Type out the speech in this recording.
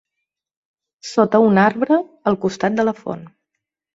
Sota un arbre al costat de la font.